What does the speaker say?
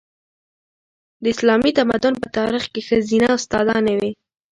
د اسلامي تمدن په تاریخ کې ښځینه استادانې وې.